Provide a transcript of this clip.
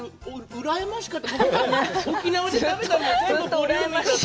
うらやましかった。